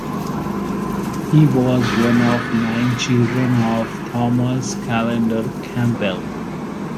He was one of nine children of Thomas Callender Campbell.